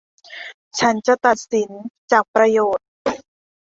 ฉันจะตัดสินจากประโยชน์